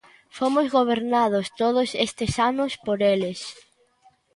Fomos gobernados todos estes anos por eles.